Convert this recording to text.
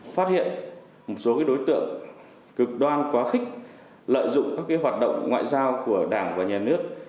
phát hiện một số đối tượng cực đoan quá khích lợi dụng các hoạt động ngoại giao của đảng và nhà nước